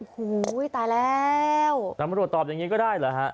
โอ้โหตายแล้วตำรวจตอบอย่างนี้ก็ได้เหรอฮะ